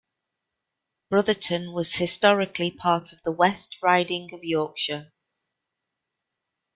Brotherton was Historically part of the West Riding of Yorkshire.